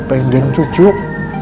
pengen dia cucuk